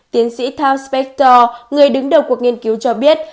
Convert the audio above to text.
tiến sĩ tom spector người đứng đầu cuộc nghiên cứu cho biết